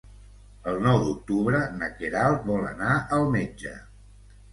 El nou d'octubre na Queralt vol anar al metge.